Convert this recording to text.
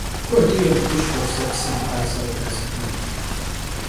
Kuedu yêmık'uşşxueş, se psım mı'erıse khıxesxme.